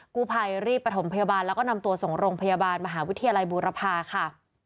กู้ภัยรีบประถมพยาบาลแล้วก็นำตัวส่งโรงพยาบาลมหาวิทยาลัยบูรพาค่ะ